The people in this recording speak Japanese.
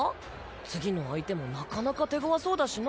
次の相手もなかなか手ごわそうだしな。